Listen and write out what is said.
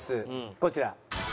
こちら。